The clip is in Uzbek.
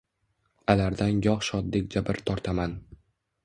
Alardan gox shodlik jabr tortaman